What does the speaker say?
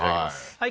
はい